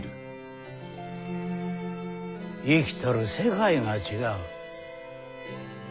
生きとる世界が違う。